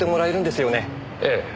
ええ。